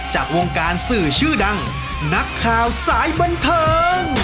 จากวงการสื่อชื่อดังนักข่าวสายบันเทิง